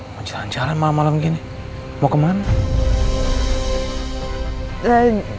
mau jalan jalan malah malam gini mau kemana